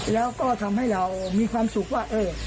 แล้วก็ทำให้เรามีความสุขว่า